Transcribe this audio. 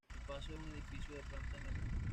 El pazo es un edificio de planta en "L".